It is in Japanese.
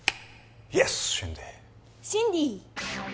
イエスシンディーシンディー